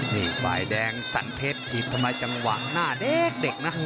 นี่ฝ่ายแดงสันเพชรหีบทำไมจังหวะหน้าเด็กนะ